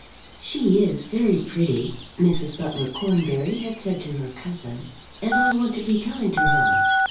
"She is very pretty," Mrs. Butler Cornbury had said to her cousin, "and I want to be kind to her."